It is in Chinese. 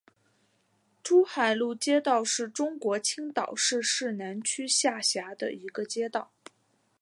珠海路街道是中国青岛市市南区下辖的一个街道。